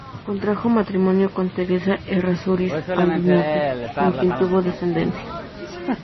Contrajo matrimonio con "Teresa Errázuriz Aldunate", con quien tuvo descendencia.